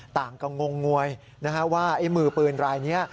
ต่างก็งงงวยว่าไอ้มือปืนรายนี้